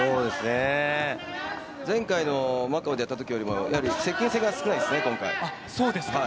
前回のマカオでやったときよりも今回接近戦が少ないですね。